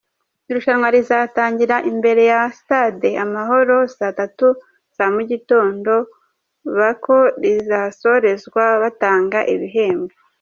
Irushanwa rizatangirira imbere ya Stade Amahoro saa tatu za mugitondo, bako rinahasorezwa batanga ibihembo.